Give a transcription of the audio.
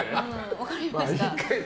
分かりました。